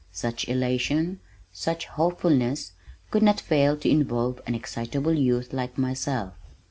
Such elation, such hopefulness could not fail to involve an excitable youth like myself.